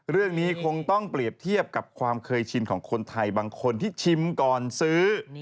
เรื่องนี้คงต้องเปรียบเทียบกับความเคยชินของคนไทยบางคนที่ชิมก่อนซื้อ